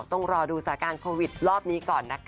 ต้องรอดูสถานการณ์โควิดรอบนี้ก่อนนะคะ